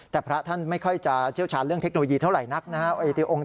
แต่พระท่านไม่ค่อยจะเชี่ยวชาญเรื่องเทคโนโลยีเท่าไหร่นักนะครับ